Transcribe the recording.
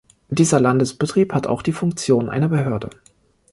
Dieser Landesbetrieb hat auch die Funktion einer Behörde.